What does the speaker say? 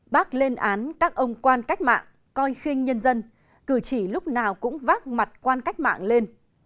bác lên án các ông quan cách mạng coi khinh nhân dân cử chỉ lúc nào cũng vác mặt quan cách mạng lên